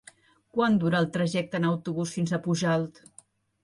Quant dura el trajecte en autobús fins a Pujalt?